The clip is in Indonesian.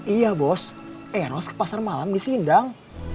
iya bos eros ke pasar malam di sindang